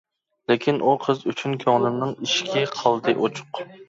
لېكىن ئۇ قىز ئۈچۈن كۆڭلۈمنىڭ ئىشىكى قالدى ئوچۇق.